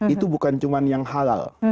itu bukan cuma yang halal